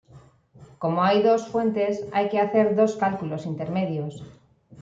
Como hay dos fuentes, hay que hacer dos cálculos intermedios.